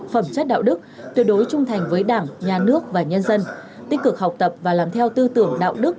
phẩm chất đạo đức tuyệt đối trung thành với đảng nhà nước và nhân dân tích cực học tập và làm theo tư tưởng đạo đức